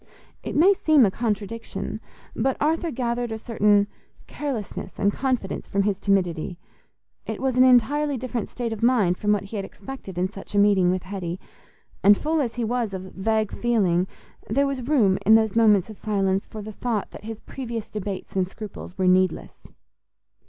It may seem a contradiction, but Arthur gathered a certain carelessness and confidence from his timidity: it was an entirely different state of mind from what he had expected in such a meeting with Hetty; and full as he was of vague feeling, there was room, in those moments of silence, for the thought that his previous debates and scruples were needless.